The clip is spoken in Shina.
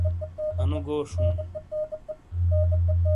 انو گوش ہوں